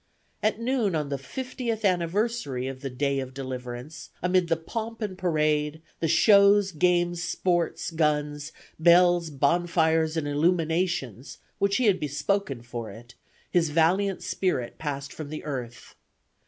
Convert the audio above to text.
At noon on the fiftieth anniversary of the "day of deliverance," amid the "pomp and parade," the "shows, games, sports, guns, bells, bonfires, and illuminations," which he had bespoken for it, his valiant spirit passed from earth.